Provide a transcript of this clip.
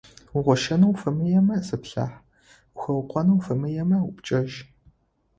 Угъощэнэу уфэмыемэ, зыплъахь, ухэукъонэу уфэмыемэ, упчӏэжь.